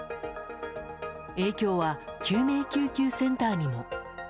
影響は救命救急センターにも。